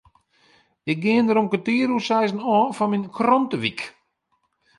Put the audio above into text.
Ik gean der om kertier oer seizen ôf foar myn krantewyk.